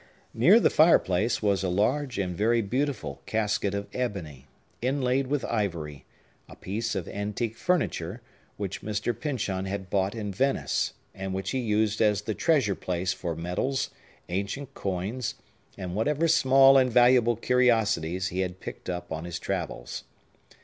Near the fireplace was a large and very beautiful cabinet of ebony, inlaid with ivory; a piece of antique furniture, which Mr. Pyncheon had bought in Venice, and which he used as the treasure place for medals, ancient coins, and whatever small and valuable curiosities he had picked up on his travels.